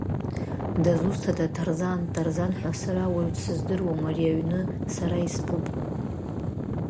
Дызусҭада Тарзан, Тарзан ҳәа сара уаҩ дсыздыруам, ари аҩны сара истәуп!